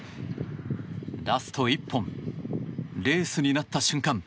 ラスト１本、レースになった瞬間